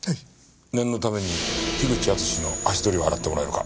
念のために口淳史の足取りを洗ってもらえるか？